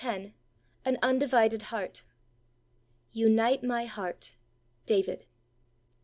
91 X. AN UNDIVIDED HEART. Unite my heart. — David.